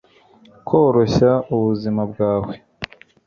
koroshya ubuzima bwawe